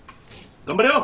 頑張れよ！